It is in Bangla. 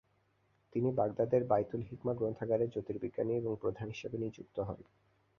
তিনি বাগদাদের বাইতুল হিকমাহ গ্রন্থাগারের জ্যোতির্বিজ্ঞানী এবং প্রধান হিসেবে নিযুক্ত হন।